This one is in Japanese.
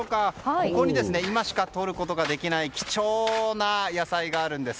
ここに今しかとることができない貴重な野菜があるんです。